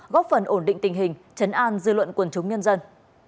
góp phần ổn định tình hình chấn an dư luận quần chúng nhân dân